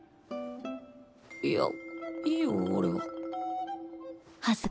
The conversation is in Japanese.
いやいいよ俺は。